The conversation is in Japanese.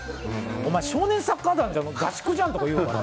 お前、少年サッカー団の合宿じゃん！とか言うから。